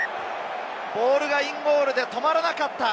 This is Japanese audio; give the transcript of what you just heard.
ボールがインゴールで止まらなかった。